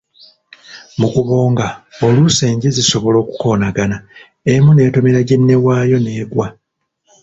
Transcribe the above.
Mu kubonga, oluusi enje zisobola okukoonagana, emu n'etomera ginne waayo n'egwa.